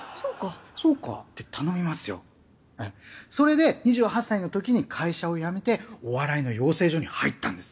それで２８歳のときに会社を辞めてお笑いの養成所に入ったんです。